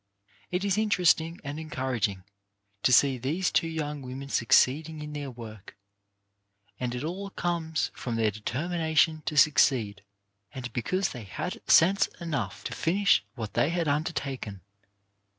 It is interesting and encouraging to see these two young women succeeding in their work, and it all comes from their determination to succeed, and because they had sense enough to finish what they had un dertaken.